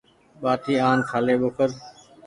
ٻآٽي آن کآلي ٻوکر۔